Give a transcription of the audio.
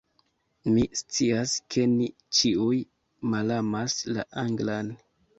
Mi scias, ke ni ĉiuj malamas la anglan